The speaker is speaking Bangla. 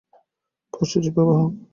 পরশু যে বিবাহ।